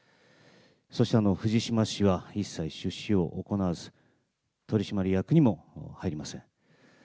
そして藤島氏は一切出資を行わず、取締役にも入りません。